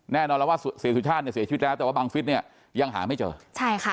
แน่นอนแล้วว่าเสียสุชาติเนี่ยเสียชีวิตแล้วแต่ว่าบังฟิศเนี่ยยังหาไม่เจอใช่ค่ะ